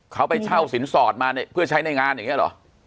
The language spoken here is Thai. เขาไปเช่าสินสอดมาเพื่อใช้ในงานอย่างนี้เหรอ